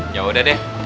ya udah deh